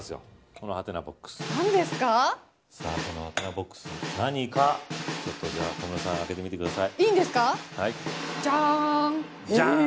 はてなボックスが何か小室さん、開けてみてください。